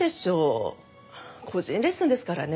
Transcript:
個人レッスンですからね。